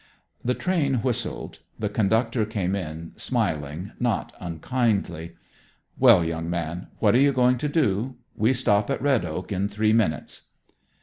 The train whistled. The conductor came in, smiling not unkindly. "Well, young man, what are you going to do? We stop at Red Oak in three minutes."